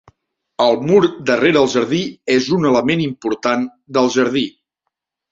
El mur darrere el jardí és un element important del jardí.